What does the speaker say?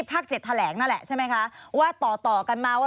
ภาค๗แถลงนั่นแหละใช่ไหมคะว่าต่อต่อกันมาว่า